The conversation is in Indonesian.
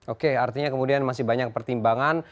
oke artinya kemudian masih banyak pertimbangan